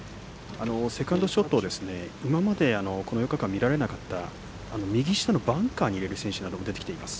セカンドショットを今までこの４日間見られなかった右下のバンカーに入れる選手なども出てきています。